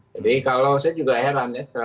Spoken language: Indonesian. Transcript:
jadi kalau saya juga heran ya